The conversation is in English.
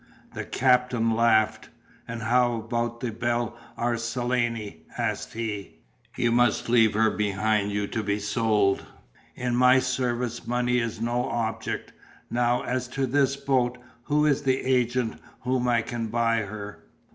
The Captain laughed. "And how about La Belle Arlesienne?" asked he. "You must leave her behind you to be sold. In my service money is no object. Now as to this boat, who is the agent from whom I can buy her?"